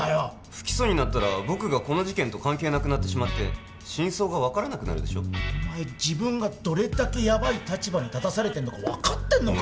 不起訴になったら僕がこの事件と関係なくなって真相が分からなくなるでしょ自分がどれだけヤバイ立場に立たされてるか分かってるのか？